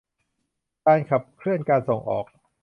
การขับเคลื่อนการส่งออก